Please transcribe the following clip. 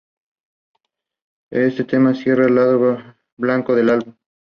Este tema cierra el lado blanco del álbum.